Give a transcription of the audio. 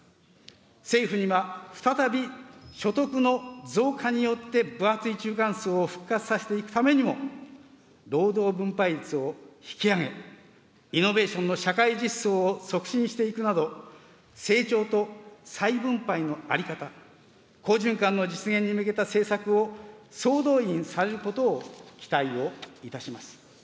政府には再び、所得の増加によって分厚い中間層を復活させていくためにも、労働分配率を引き上げ、イノベーションの社会実装を促進していくなど、成長と再分配の在り方、好循環の実現に向けた政策を、総動員されることを期待をいたします。